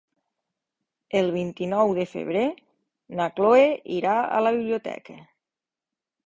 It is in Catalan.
El vint-i-nou de febrer na Chloé irà a la biblioteca.